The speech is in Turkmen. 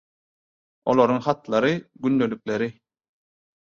Olaryň hatlary, gündelikleri…